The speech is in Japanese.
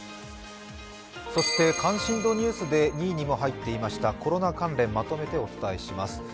関心度ニュースで２位にも入っていたコロナ関連まとめてお伝えします。